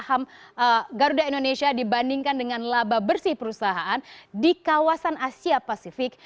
saham garuda indonesia dibandingkan dengan laba bersih perusahaan di kawasan asia pasifik